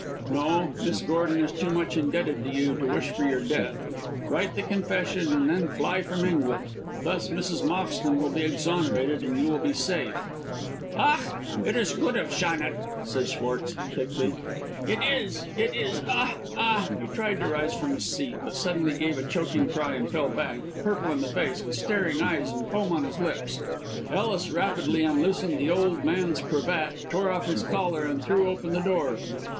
"No; Miss Gordon is too much indebted to you to wish for your death. Write the confession, and then fly from England. Thus Mrs. Moxton will be exonerated, and you will be safe." "Ach! it is goot of Chanet," said Schwartz, thickly; "it is it is ah ah!" He tried to rise from his seat, but suddenly gave a choking cry, and fell back, purple in the face, with staring eyes and foam on his lips. Ellis rapidly unloosened the old man's cravat, tore off his collar, and threw open the door.